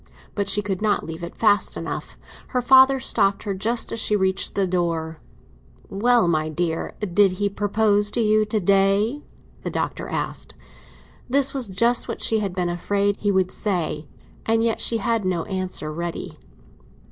But she could not leave it fast enough; her father stopped her just as she reached the door. "Well, my dear, did he propose to you to day?" the Doctor asked. This was just what she had been afraid he would say; and yet she had no answer ready.